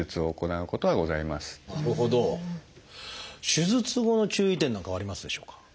手術後の注意点なんかはありますでしょうか？